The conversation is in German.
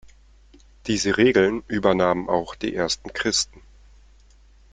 Diese Regeln übernahmen auch die ersten Christen.